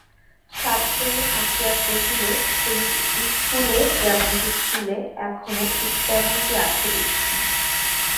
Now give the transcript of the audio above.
সাতকড়ি হাসিয়া কহিল, তুমি ইস্কুলে যেমনটি ছিলে এখনো ঠিক তেমনটি আছ দেখছি।